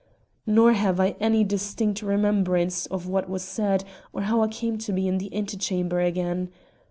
Nor have I any distinct remembrance of what was said or how I came to be in the ante chamber again.